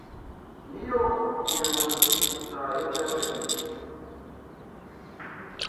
ni yo muyobozi utayobya wenyine